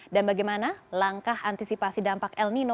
dan bagaimana langkah antisipasi dampak el nino